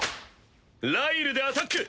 ライルでアタック！